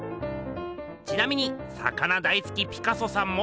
ちなみに魚大すきピカソさんも。